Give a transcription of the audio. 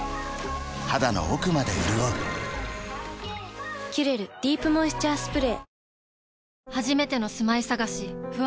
肌の奥まで潤う「キュレルディープモイスチャースプレー」